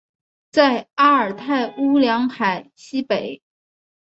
在阿尔泰乌梁海西北。